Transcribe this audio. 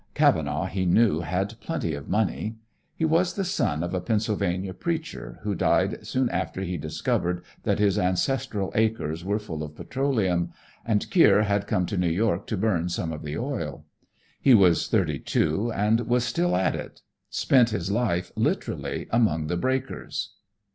Cavenaugh, he knew, had plenty of money. He was the son of a Pennsylvania preacher, who died soon after he discovered that his ancestral acres were full of petroleum, and Kier had come to New York to burn some of the oil. He was thirty two and was still at it; spent his life, literally, among the breakers.